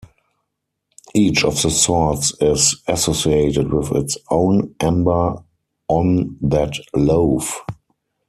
Each of the sorts is associated with its own ember on that loaf.